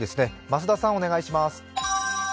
増田さん、お願いします。